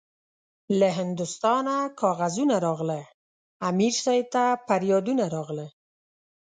له هندوستانه کاغذونه راغله- امیر صاحب ته پریادونه راغله